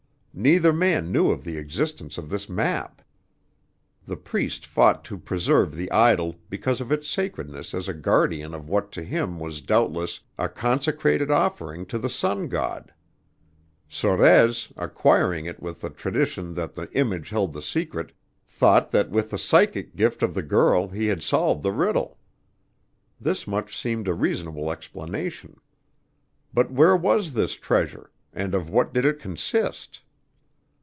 Neither man knew of the existence of this map. The priest fought to preserve the idol because of its sacredness as guardian of what to him was doubtless a consecrated offering to the Sun God; Sorez, acquiring it with the tradition that the image held the secret, thought that with the psychic gift of the girl he had solved the riddle. This much seemed a reasonable explanation. But where was this treasure, and of what did it consist?